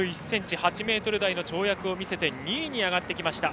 ８ｍ台の跳躍を見せて２位に上がってきました。